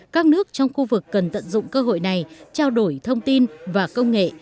các nước trong khu vực cần tận dụng cơ hội này trao đổi thông tin và công nghệ